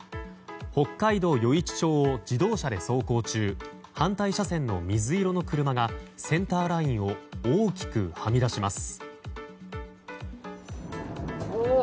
北海道余市町を自動車で走行中反対車線の水色の車がセンターラインを大きくはみ出します。